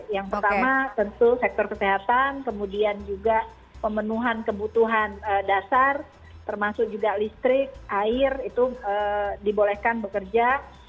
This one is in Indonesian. yang pertama tentu sektor kesehatan kemudian juga pemenuhan kebutuhan dasar termasuk juga listrik air itu dibolehkan bekerja